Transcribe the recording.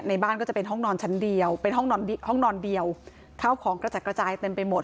ในบ้านก็จะเป็นห้องนอนฉันเดียวห้องนอนเดี่ยวเข้าของกระจักกระจายเต็มไปหมด